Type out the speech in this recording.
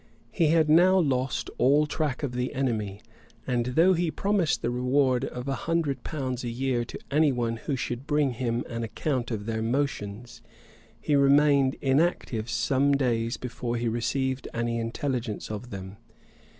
He had now lost all track of the enemy; and though he promised the reward of a hundred pounds a year to any one who should bring him an account of their motions, he remained inactive some days before he received any intelligence of them.